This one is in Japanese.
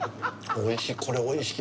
おいしい。